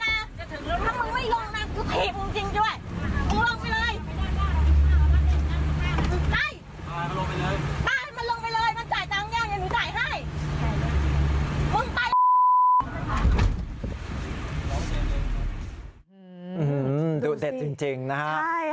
อื้อหือหืมดูเด็ดจริงนะฮะใช่ฮะ